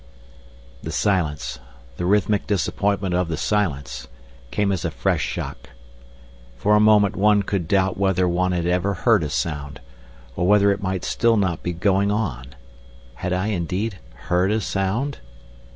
The silence, the rhythmic disappointment of the silence, came as a fresh shock. For a moment one could doubt whether one had ever heard a sound. Or whether it might not still be going on. Had I indeed heard a sound?